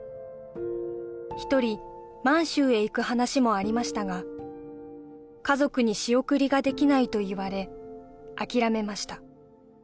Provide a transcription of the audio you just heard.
一人満州へ行く話もありましたが家族に仕送りができないと言われ諦めました